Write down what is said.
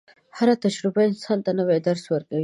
هره تجربه انسان ته نوي درسونه ورکوي.